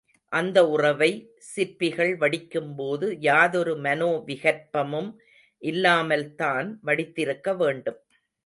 அந்த உறவை, சிற்பிகள் வடிக்கும்போது யாதொரு மனோ விகற்பமும் இல்லாமல்தான் வடித்திருக்க வேண்டும்.